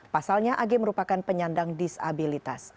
pasalnya ag merupakan penyandang disabilitas